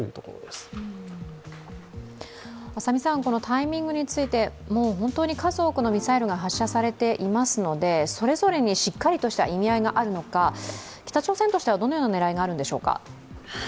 タイミングについて、数多くのミサイルが発射されていますので、それぞれにしっかりとした意味合いがあるのか、北朝鮮としては、どのような狙いがあるのでしょうか？